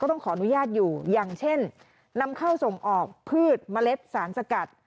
ต้องขออนุญาตอยู่อย่างเช่นนำเข้าส่งออกพืชเมล็ดสารสกัด